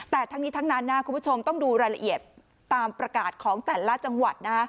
แต่ทั้งนี้ทั้งนั้นคุณผู้ชมต้องดูรายละเอียดตามประกาศของแต่ละจังหวัด